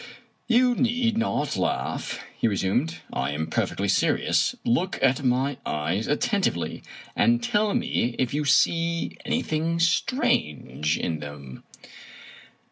"You need not laugh," he resumed; "I am perfectly serious. Look at my eyes attentively, and tell me if you see anything strange in them."